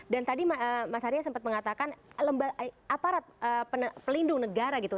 dan tadi mas arya sempat mengatakan aparat pelindung negara gitu